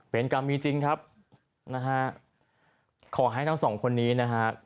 เป็นกรรมมีจริงครับนะฮะขอให้ทั้งสองคนนี้นะฮะ